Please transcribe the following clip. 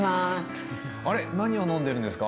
あれ何を飲んでるんですか？